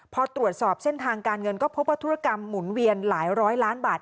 พอตรวจสอบเส้นทางการเงินก็พบว่าธุรกรรมหมุนเวียนหลายร้อยล้านบาท